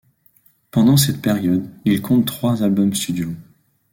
Pendant cette période, ils comptent trois albums studio.